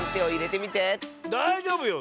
だいじょうぶよ。